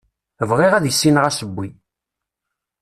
Bɣiɣ ad issineɣ asewwi.